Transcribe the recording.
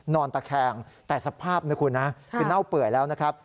นอนตะแคงแต่สภาพคือน่าวเปื่อยแล้วนะครับ